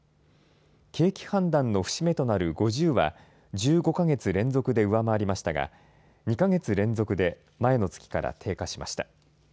景気判断の節目となる５０は１５か月連続で上回りましたが２か月連続で前の月から低下しました。